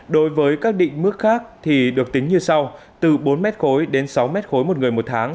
đối với các định mức khác thì được tính như sau từ bốn mét khối đến sáu m ba một người một tháng